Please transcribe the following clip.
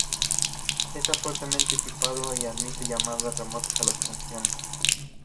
Está fuertemente tipado y admite llamadas remotas a las funciones.